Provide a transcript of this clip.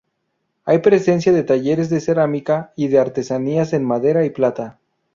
Hay presencia de talleres de cerámica y de artesanías en madera y plata.